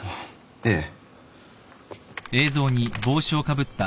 ええ。